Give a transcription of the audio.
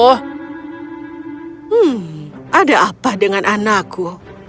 hmm ada apa dengan anakku